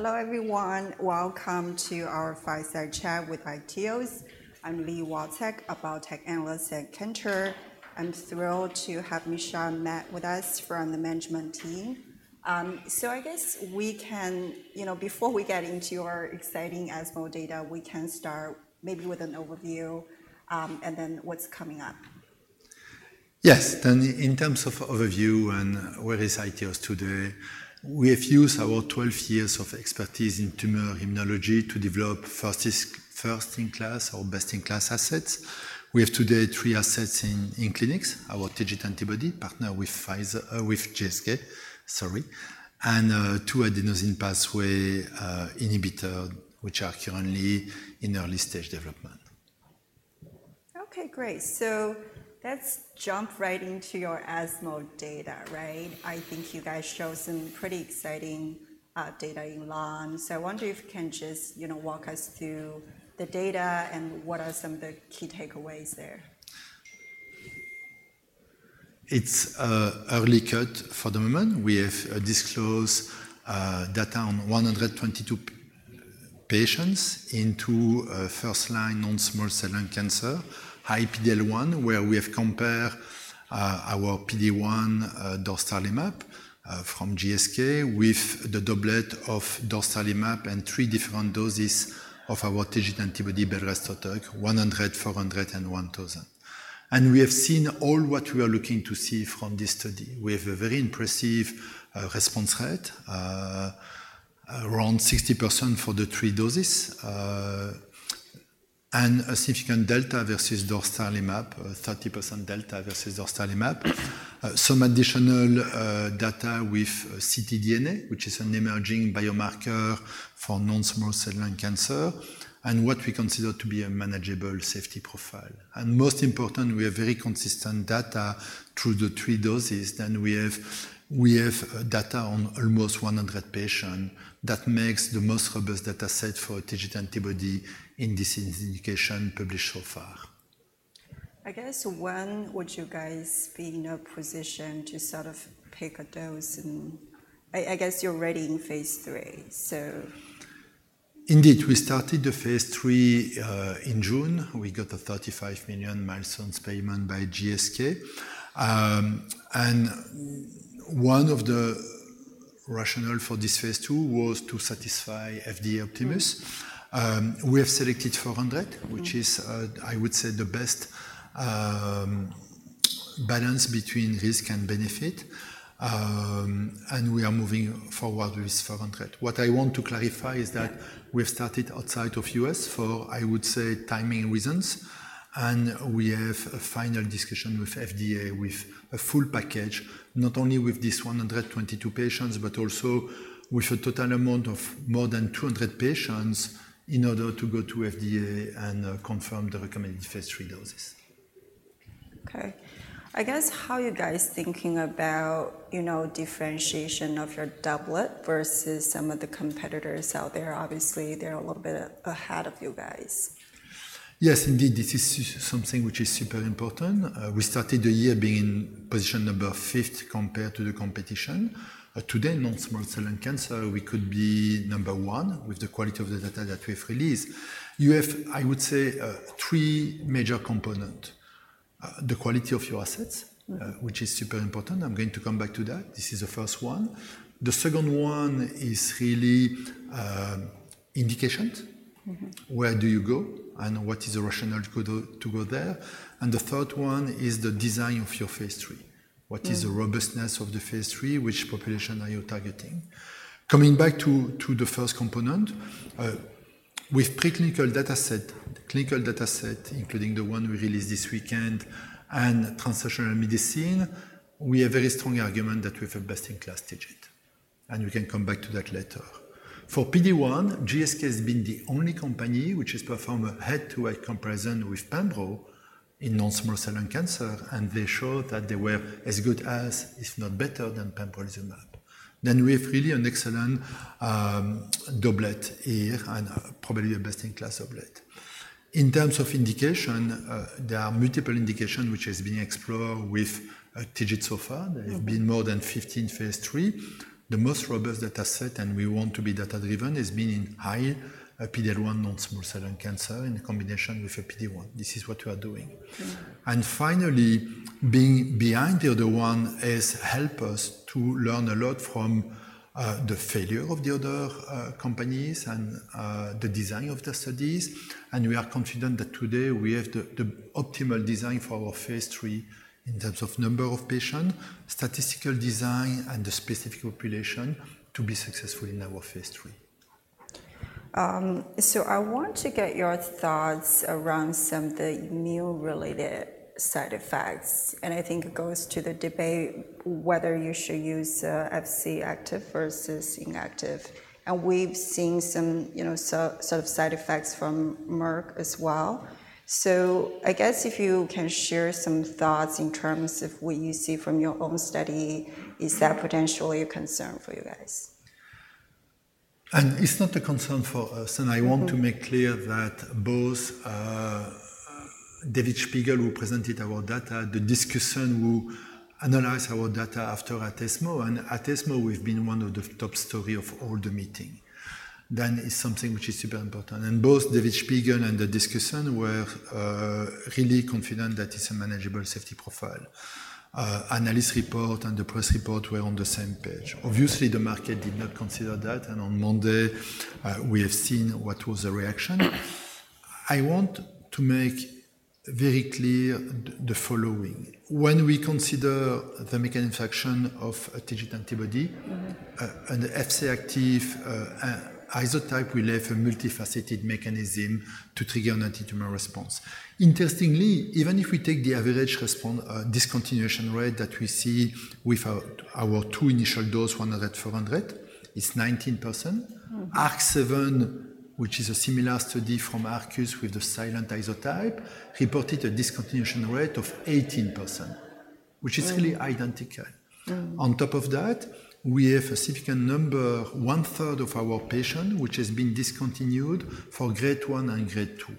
Hello, everyone. Welcome to our Fireside Chat with iTeos. I'm Li Watsek, a biotech analyst at Cantor. I'm thrilled to have Michel Detheux with us from the management team. So I guess we can, you know, before we get into your exciting ESMO data, we can start maybe with an overview, and then what's coming up. Yes, then in terms of overview and where is iTeos today, we have used our twelve years of expertise in tumor immunology to develop first-in-class or best-in-class assets. We have today three assets in clinics: our TIGIT antibody, partner with Pfizer, with GSK, sorry, and two adenosine pathway inhibitor, which are currently in early-stage development. Okay, great. So let's jump right into your ESMO data, right? I think you guys showed some pretty exciting data in lung. So I wonder if you can just, you know, walk us through the data and what are some of the key takeaways there. It's an early cut for the moment. We have disclosed data on 122 patients in first-line non-small cell lung cancer, high PD-L1, where we have compared our PD-1 dostarlimab from GSK with the doublet of dostarlimab and three different doses of our TIGIT antibody, belrestotug, 100, 400, and 1000, and we have seen all what we are looking to see from this study. We have a very impressive response rate around 60% for the three doses and a significant delta versus dostarlimab, 30% delta versus dostarlimab. Some additional data with ctDNA, which is an emerging biomarker for non-small cell lung cancer, and what we consider to be a manageable safety profile. Most important, we have very consistent data through the three doses. We have data on almost 100 patients. That makes the most robust data set for TIGIT antibody in this indication published so far. I guess, when would you guys be in a position to sort of pick a dose and... I guess you're already in phase 3, so? Indeed, we started the phase 3 in June. We got a $35 million milestone payment by GSK. One of the rationale for this phase 2 was to satisfy FDA Optimus. We have selected 400- Mm-hmm. -which is, I would say, the best balance between risk and benefit. And we are moving forward with 400. What I want to clarify is that we have started outside of U.S. for, I would say, timing reasons, and we have a final discussion with FDA, with a full package, not only with these 122 patients, but also with a total amount of more than 200 patients, in order to go to FDA and confirm the recommended phase 3 doses. Okay. I guess, how are you guys thinking about, you know, differentiation of your doublet versus some of the competitors out there? Obviously, they're a little bit ahead of you guys. Yes, indeed, this is something which is super important. We started the year being in position number fifth compared to the competition. Today, non-small cell lung cancer, we could be number one with the quality of the data that we've released. You have, I would say, three major component: the quality of your assets- Mm-hmm. which is super important. I'm going to come back to that. This is the first one. The second one is really, indications. Mm-hmm. Where do you go, and what is the rationale to go there? The third one is the design of your phase 3. Mm. What is the robustness of the phase three? Which population are you targeting? Coming back to the first component with preclinical data set, the clinical data set, including the one we released this weekend and translational medicine, we have very strong argument that we have a best-in-class TIGIT, and we can come back to that later. For PD-1, GSK has been the only company which has performed a head-to-head comparison with pembro in non-small cell lung cancer, and they showed that they were as good as, if not better than, pembrolizumab. Then we have really an excellent doublet here and probably a best-in-class doublet. In terms of indication, there are multiple indication which is being explored with TIGIT so far. Mm-hmm. There have been more than 15 phase 3. The most robust data set, and we want to be data-driven, has been in high PD-L1 non-small cell lung cancer in combination with a PD-1. This is what we are doing. Mm-hmm. And finally, being behind the other one has helped us to learn a lot from the failure of the other companies and the design of the studies. We are confident that today we have the optimal design for our phase three in terms of number of patient, statistical design, and the specific population to be successful in our phase three. I want to get your thoughts around some of the immune-related side effects, and I think it goes to the debate whether you should use Fc-active versus inactive. And we've seen some, you know, sort of side effects from Merck as well. So I guess if you can share some thoughts in terms of what you see from your own study, is that potentially a concern for you guys? And it's not a concern for us. Mm-hmm. And I want to make clear that both David Spigel, who presented our data, the discussant will analyze our data after at ESMO, and at ESMO, we've been one of the top story of all the meeting. Then it's something which is super important, and both David Spigel and the discussant were really confident that it's a manageable safety profile. Analyst report and the press report were on the same page. Obviously, the market did not consider that, and on Monday we have seen what was the reaction. I want to make very clear the following: When we consider the mechanism of action of a TIGIT antibody- Mm-hmm. an Fc-active isotype, we have a multifaceted mechanism to trigger an antitumor response. Interestingly, even if we take the average response, discontinuation rate that we see with our two initial dose, 100, 400, it's 19%. Mm. ARC-7, which is a similar study from Arcus with the Fc-silent isotype, reported a discontinuation rate of 18%- Right. which is really identical. Mm. On top of that, we have a significant number, one-third of our patients, which have been discontinued for grade one and grade two,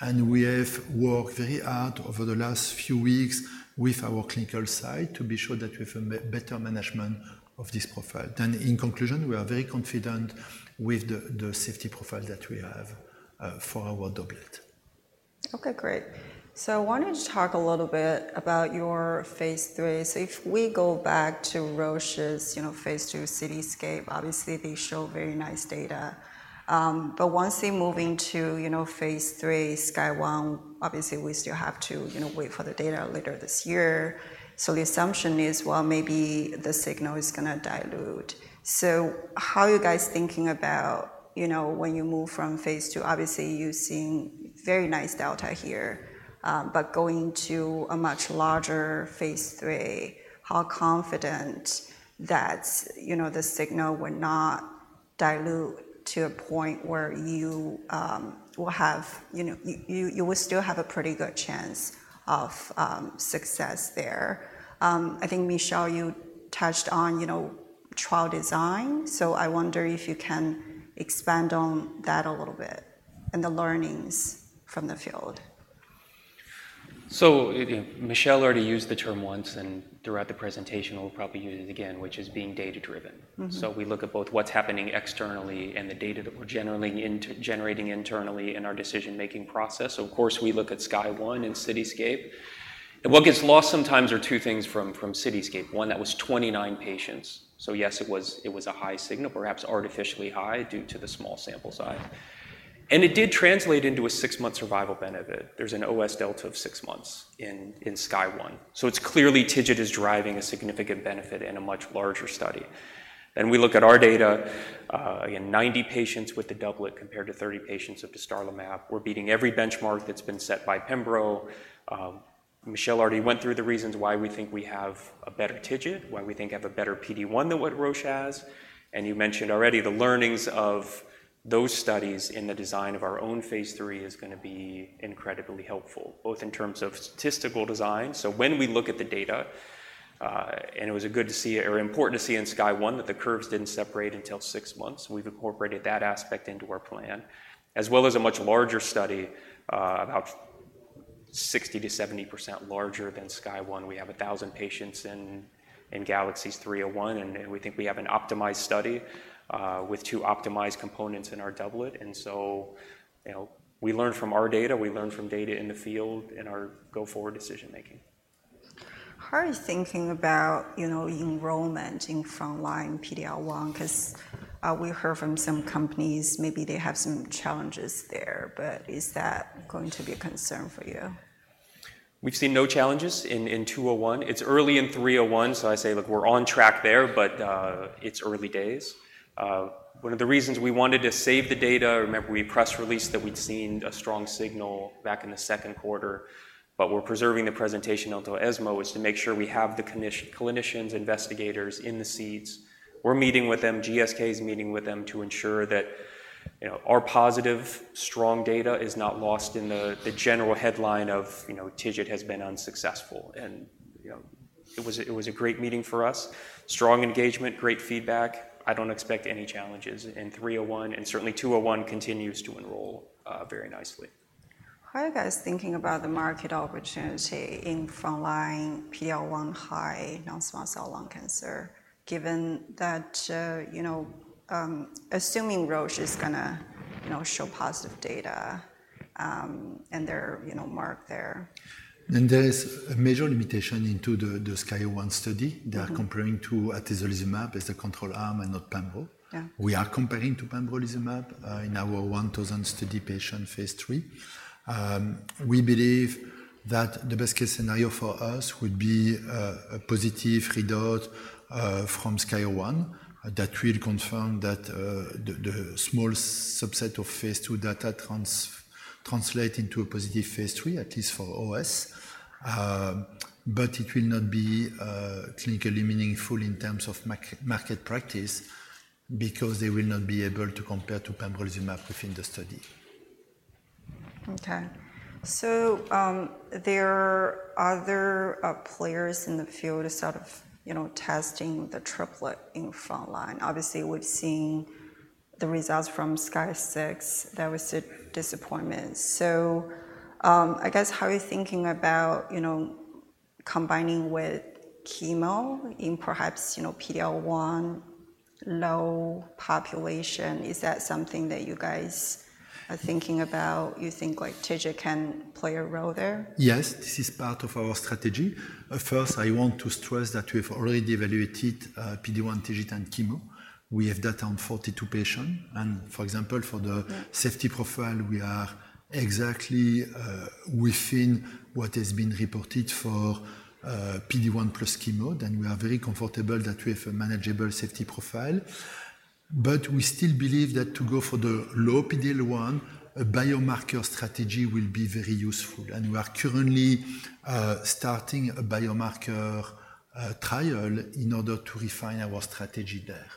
and we have worked very hard over the last few weeks with our clinical site to be sure that we have a better management of this profile. Then in conclusion, we are very confident with the safety profile that we have for our doublet. Okay, great. So I wanted to talk a little bit about your phase three. So if we go back to Roche's, you know, phase two CITYSCAPE, obviously they show very nice data. But once they move into, you know, phase three SKYSCRAPER-01, obviously we still have to, you know, wait for the data later this year. So the assumption is, well, maybe the signal is gonna dilute. So how are you guys thinking about, you know, when you move from phase two? Obviously, you're seeing very nice delta here, but going to a much larger phase three, how confident that, you know, the signal will not dilute to a point where you will have. You know, you will still have a pretty good chance of success there. I think, Michel, you touched on, you know, trial design, so I wonder if you can expand on that a little bit and the learnings from the field? So, you know, Michel already used the term once, and throughout the presentation, we'll probably use it again, which is being data-driven. Mm-hmm. We look at both what's happening externally and the data that we're generally generating internally in our decision-making process. Of course, we look at SKYSCRAPER-01 and CITYSCAPE, and what gets lost sometimes are two things from CITYSCAPE. One, that was 29 patients. Yes, it was a high signal, perhaps artificially high, due to the small sample size. It did translate into a six-month survival benefit. There's an OS delta of six months in SKYSCRAPER-01, so it's clear TIGIT is driving a significant benefit in a much larger study. We look at our data again, 90 patients with the doublet compared to 30 patients of dostarlimab. We're beating every benchmark that's been set by pembrolizumab. Michel already went through the reasons why we think we have a better TIGIT, why we think we have a better PD-1 than what Roche has, and you mentioned already the learnings of those studies in the design of our own phase three is gonna be incredibly helpful, both in terms of statistical design, so when we look at the data, and it was a good to see or important to see in SKYSCRAPER-01, that the curves didn't separate until six months. We've incorporated that aspect into our plan, as well as a much larger study, about 60%-70% larger than SKYSCRAPER-01. We have 1000 patients in GALAXIES-301, and we think we have an optimized study, with two optimized components in our doublet. And so, you know, we learn from our data. We learn from data in the field in our go-forward decision making. How are you thinking about, you know, enrollment in frontline PD-L1? 'Cause, we heard from some companies, maybe they have some challenges there, but is that going to be a concern for you? We've seen no challenges in 201. It's early in 301, so I say, look, we're on track there, but it's early days. One of the reasons we wanted to save the data, remember, we press released that we'd seen a strong signal back in the second quarter, but we're preserving the presentation until ESMO, is to make sure we have the clinicians, investigators in the seats. We're meeting with them. GSK is meeting with them to ensure that, you know, our positive strong data is not lost in the general headline of, you know, TIGIT has been unsuccessful. And, you know, it was a great meeting for us. Strong engagement, great feedback. I don't expect any challenges in 301, and certainly 201 continues to enroll very nicely. How are you guys thinking about the market opportunity in frontline PD-L1 high non-small cell lung cancer, given that, you know, assuming Roche is gonna, you know, show positive data, and they're, you know, market there? There is a major limitation in the SKYSCRAPER-01 study. Mm-hmm. They are comparing to atezolizumab as the control arm and not pembro. Yeah. We are comparing to pembrolizumab in our 1,000-patient phase 3. We believe that the best case scenario for us would be a positive readout from SKYSCRAPER-01 that will confirm that the small subset of phase 2 data translate into a positive phase 3, at least for OS, but it will not be clinically meaningful in terms of market practice because they will not be able to compare to pembrolizumab within the study. Okay. So, there are other players in the field sort of, you know, testing the triplet in front line. Obviously, we've seen the results from SKYSCRAPER-06, there was a disappointment. So, I guess, how are you thinking about, you know, combining with chemo in perhaps, you know, PD-L1 low population? Is that something that you guys are thinking about? You think, like, TIGIT can play a role there? Yes, this is part of our strategy. But first, I want to stress that we've already evaluated, PD-1, TIGIT, and chemo. We have data on 42 patients, and for example, for the- Yeah... safety profile, we are exactly, within what has been reported for, PD-1 plus chemo. Then we are very comfortable that we have a manageable safety profile. But we still believe that to go for the low PD-L1, a biomarker strategy will be very useful, and we are currently, starting a biomarker, trial in order to refine our strategy there.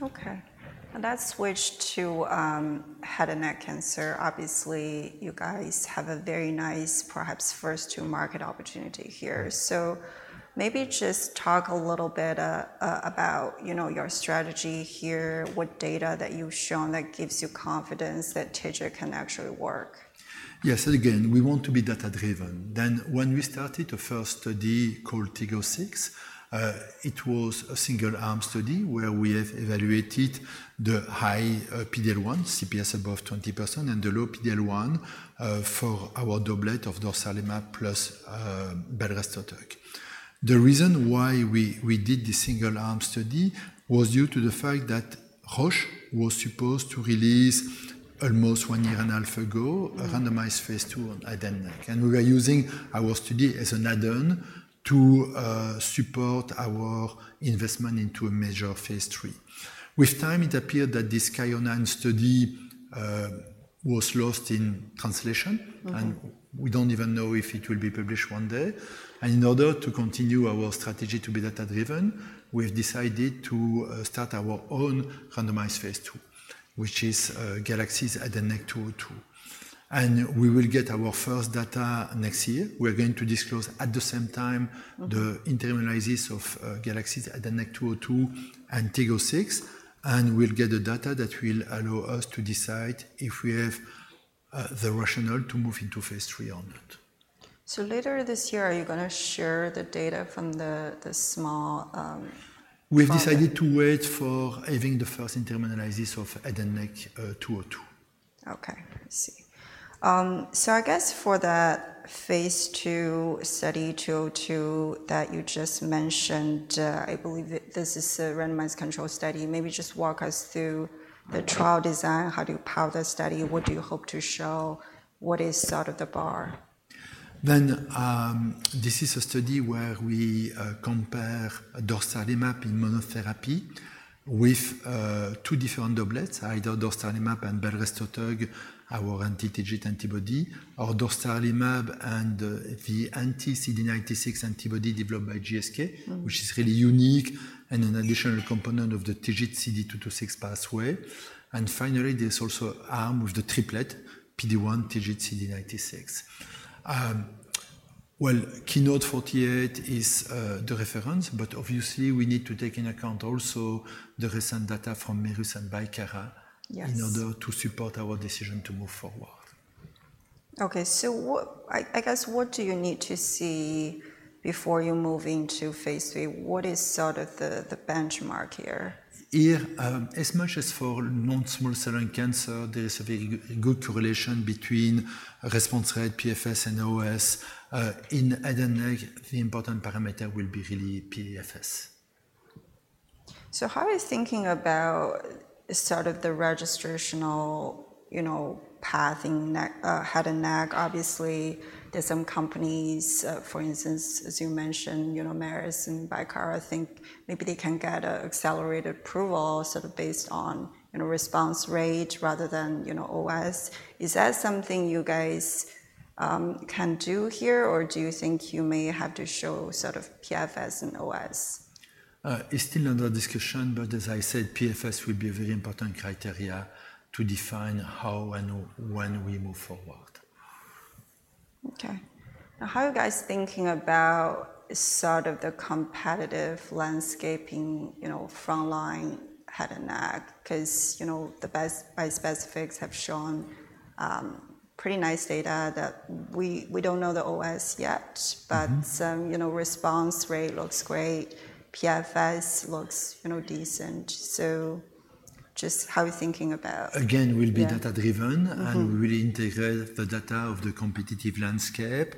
Okay. Let's switch to head and neck cancer. Obviously, you guys have a very nice, perhaps, first-to-market opportunity here. So maybe just talk a little bit about, you know, your strategy here, what data that you've shown that gives you confidence that TIGIT can actually work. Yes. Again, we want to be data-driven. Then, when we started the first study called TIG-006, it was a single-arm study where we have evaluated the high PD-L1 CPS above 20% and the low PD-L1 for our doublet of dostarlimab plus belrestotug. The reason why we did this single-arm study was due to the fact that Roche was supposed to release almost one year and half ago- Mm-hmm... a randomized phase two on head and neck, and we were using our study as an add-on to support our investment into a major phase three. With time, it appeared that this SKYSCRAPER-09 study was lost in translation- Mm-hmm... and we don't even know if it will be published one day. In order to continue our strategy to be data-driven, we have decided to start our own randomized phase two, which is GALAXIES H&N-202, and we will get our first data next year. We are going to disclose at the same time- Mm-hmm... the interim analysis of GALAXIES H&N-202 and TIG-006, and we'll get the data that will allow us to decide if we have the rationale to move into phase 3 or not. So later this year, are you gonna share the data from the small trial? We've decided to wait for having the first interim analysis of head and neck 202. Okay, I see. So I guess for the phase 2, study 2-02 that you just mentioned, I believe that this is a randomized control study. Maybe just walk us through the trial design. How do you power the study? What do you hope to show? What is sort of the bar? Then, this is a study where we compare dostarlimab in monotherapy with two different doublets: either dostarlimab and belrestotug, our anti-TIGIT antibody, or dostarlimab and the anti-CD96 antibody developed by GSK. Mm-hmm ..which is really unique and an additional component of the TIGIT CD226 pathway. And finally, there's also an arm with the triplet PD-1, TIGIT, CD96. Well, KEYNOTE-048 is the reference, but obviously we need to take into account also the recent data from Merus and Bicara- Yes... in order to support our decision to move forward. Okay, so I guess, what do you need to see before you move into phase three? What is sort of the benchmark here? Here, as much as for non-small cell lung cancer, there is a very good correlation between response rate, PFS, and OS. In head and neck, the important parameter will be really PFS. So how are you thinking about sort of the registrational, you know, path in neck, head and neck? Obviously, there's some companies, for instance, as you mentioned, you know, Merus and Bicara, think maybe they can get a accelerated approval sort of based on, you know, response rate rather than, you know, OS. Is that something you guys, can do here, or do you think you may have to show sort of PFS and OS? It's still under discussion, but as I said, PFS will be a very important criteria to define how and when we move forward. Okay. Now, how are you guys thinking about sort of the competitive landscape, you know, frontline head and neck? 'Cause, you know, the bispecifics have shown pretty nice data that we don't know the OS yet- Mm-hmm... but, you know, response rate looks great. PFS looks, you know, decent. So just how are you thinking about- Again- Yeah... we'll be data-driven- Mm-hmm... and we'll integrate the data of the competitive landscape,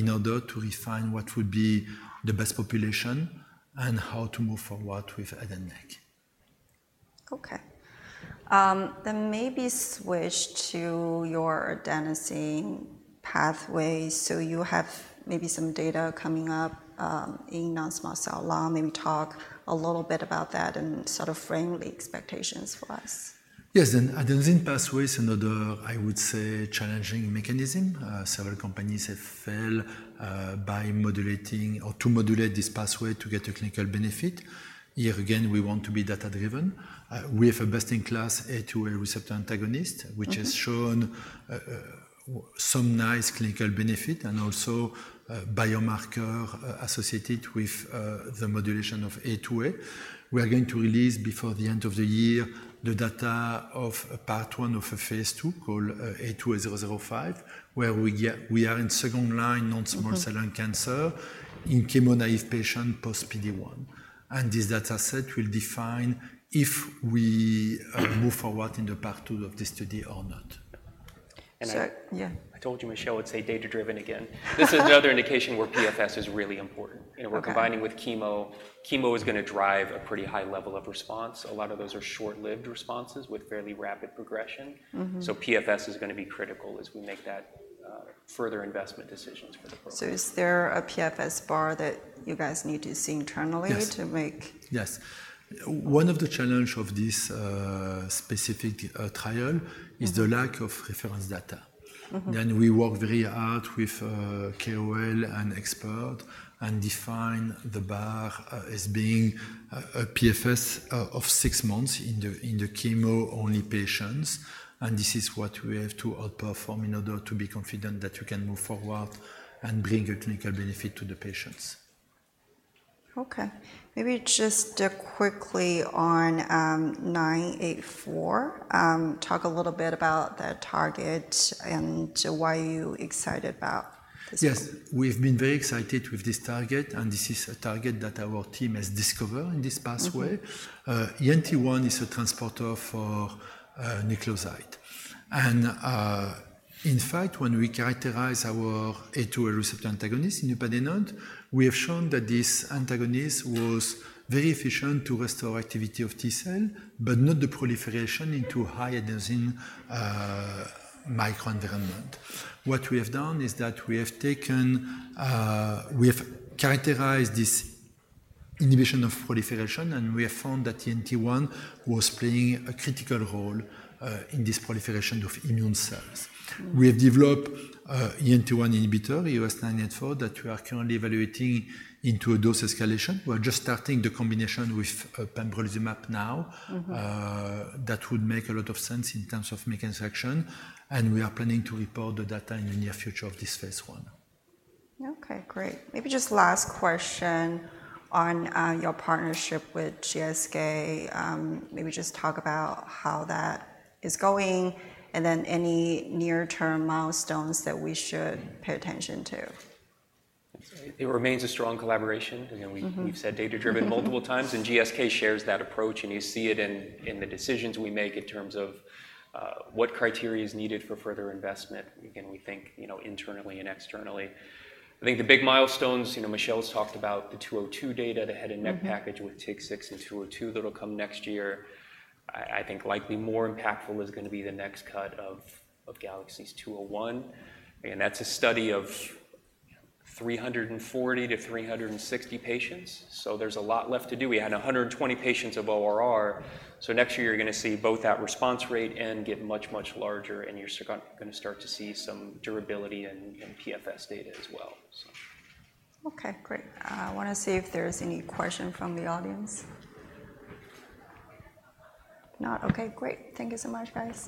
in order to refine what would be the best population and how to move forward with head and neck. Okay, then maybe switch to your adenosine pathway, so you have maybe some data coming up in non-small cell lung. Maybe talk a little bit about that and sort of frame the expectations for us.... Yes, and adenosine pathway is another, I would say, challenging mechanism. Several companies have failed by modulating or to modulate this pathway to get a clinical benefit. Here again, we want to be data-driven. We have a best-in-class A2A receptor antagonist, which has shown some nice clinical benefit and also, biomarker associated with, the modulation of A2A. We are going to release before the end of the year, the data of a part one of a phase two called A2A-005, where we are in second line non-small- Mm-hmm. cell lung cancer in chemo-naive patient post-PD-1. This dataset will define if we move forward in the part two of this study or not. So, yeah. I told you Michel would say data-driven again. This is another indication where PFS is really important. Okay. We're combining with chemo. Chemo is going to drive a pretty high level of response. A lot of those are short-lived responses with fairly rapid progression. Mm-hmm. So PFS is going to be critical as we make that further investment decisions for the program. So is there a PFS bar that you guys need to see internally? Yes. -to make? Yes. One of the challenge of this specific trial- Mm-hmm. is the lack of reference data. Mm-hmm. Then we work very hard with KOL and expert and define the bar as being a PFS of six months in the chemo-only patients, and this is what we have to outperform in order to be confident that we can move forward and bring a clinical benefit to the patients. Okay. Maybe just quickly on EOS-984. Talk a little bit about the target and why are you excited about this one? Yes. We've been very excited with this target, and this is a target that our team has discovered in this pathway. Mm-hmm. ENT1 is a transporter for nucleoside. In fact, when we characterize our A2A receptor antagonist, inupadenant, we have shown that this antagonist was very efficient to restore activity of T cell, but not the proliferation into high adenosine microenvironment. What we have done is that we have characterized this inhibition of proliferation, and we have found that ENT1 was playing a critical role in this proliferation of immune cells. Mm. We have developed, ENT1 inhibitor, EOS-984, that we are currently evaluating into a dose escalation. We are just starting the combination with, pembrolizumab now. Mm-hmm. That would make a lot of sense in terms of mechanism of action, and we are planning to report the data in the near future of this phase one. Okay, great. Maybe just last question on your partnership with GSK. Maybe just talk about how that is going, and then any near-term milestones that we should pay attention to. It remains a strong collaboration. Mm-hmm. You know, we've said data-driven multiple times, and GSK shares that approach, and you see it in the decisions we make in terms of what criteria is needed for further investment. Again, we think, you know, internally and externally. I think the big milestones, you know, Michel has talked about the two oh two data, the head and neck package- Mm-hmm... with TIG-006 and 202, that'll come next year. I think likely more impactful is going to be the next cut of GALAXIES 201, and that's a study of 340 to 360 patients, so there's a lot left to do. We had 120 patients of ORR, so next year you're going to see both that response rate and get much, much larger, and you're gonna start to see some durability and PFS data as well, so. Okay, great. I want to see if there's any question from the audience. Not? Okay, great. Thank you so much, guys.